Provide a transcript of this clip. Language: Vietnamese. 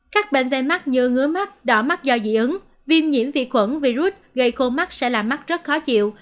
các bệnh về mắt như ngứa mắt đỏ mắt do dị ứng viêm nhiễm vi khuẩn virus gây khô mắt sẽ là mắt rất khó chịu